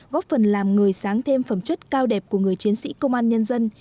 góp phần làm người sáng thêm phẩm chất cao đẹp của người chiến sĩ công an nhân dân